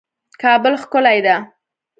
کابل ښکلی ده